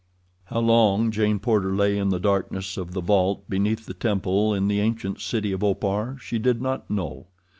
How long Jane Porter lay in the darkness of the vault beneath the temple in the ancient city of Opar she did not know.